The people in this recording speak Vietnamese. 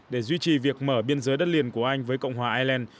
để duy trì việc mở biên giới đất liền của anh với cộng hòa ireland